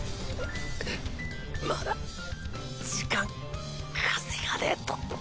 うっまだ時間稼がねぇと。